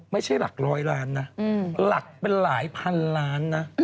ไม่ใช่หลักร้อยล้านนะหลักเป็นหลายพันล้านนะ